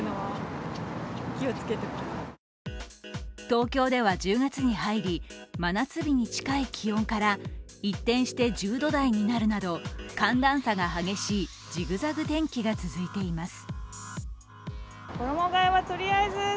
東京では１０月に入り真夏日に近い気温から一転して１０度台になるなど寒暖差が激しいジグザグ天気が続いています。